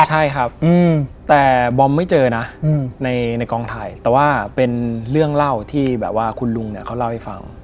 ใช่ครับแต่บอมไม่เจอนะในกองถ่ายแต่ว่าเป็นเรื่องเล่าที่แบบว่าคุณลุงเนี่ยเขาเล่าให้ฟัง